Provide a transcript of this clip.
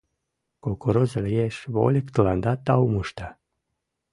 Кукуруза лиеш — вольык тыланда таум ышта.